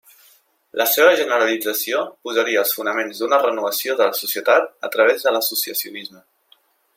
La seva generalització posaria els fonaments d'una renovació de la societat a través de l'associacionisme.